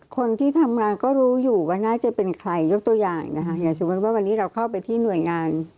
คนที่ทำงานก็รู้อยู่ว่าน่าจะเป็นใครยกตัวอย่างนะคะอย่างสมมุติว่าวันนี้เราเข้าไปที่หน่วยงาน